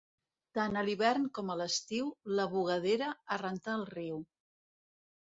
Tant a l'hivern com a l'estiu, la bugadera a rentar al riu.